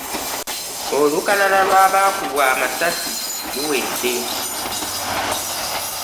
Olukalala lw'abaakubwa amasasi luwedde.